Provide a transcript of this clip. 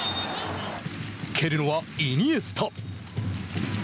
蹴るのはイニエスタ。